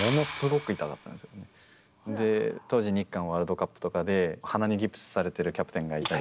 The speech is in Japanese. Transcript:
当時日韓ワールドカップとかで鼻にギプスされてるキャプテンがいたり。